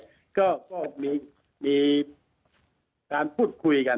สถานกฐานที่อย่างนี้ก็มีการพูดคุยกัน